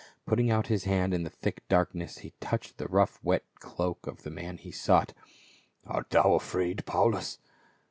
Putting out his hand in the thick darkness he touched the rough wet cloak of the man he sought. "Art thou afraid, Paulus